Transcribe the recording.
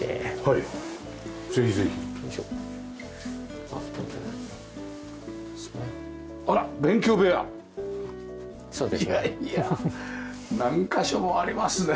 いやいや何カ所もありますね。